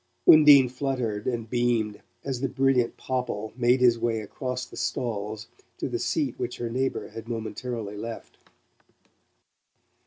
Undine fluttered and beamed as the brilliant Popple made his way across the stalls to the seat which her neighbour had momentarily left.